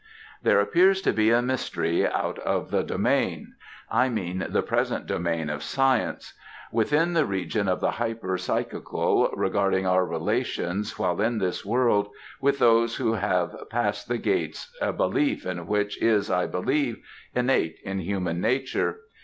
There appears to be a mystery out of the domain I mean the present domain of science; within the region of the hyper psychical, regarding our relations, while in this world, with those who have past the gates, a belief in which is, I think, innate in human nature.